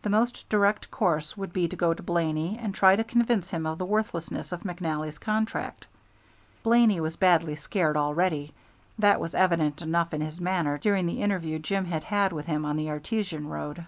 The most direct course would be to go to Blaney and try to convince him of the worthlessness of McNally's contract. Blaney was badly scared already: that was evident enough in his manner during the interview Jim had had with him on the artesian road.